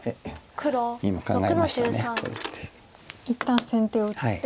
一旦先手を打って。